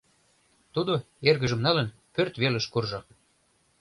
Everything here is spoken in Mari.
— тудо, эргыжым налын, пӧрт велыш куржо: